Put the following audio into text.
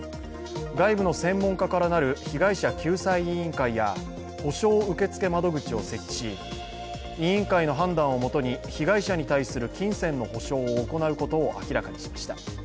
外部の専門家からなる被害者救済委員会や補償受付窓口を設置し委員会の判断をもとに被害者に対する金銭の補償を行うことを明らかにしました。